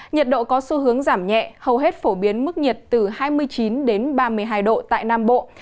nhiệt độ có xu hướng giảm nhẹ hầu hết phổ biến mức nhiệt từ hai mươi chín đến ba mươi hai độ tại nam bộ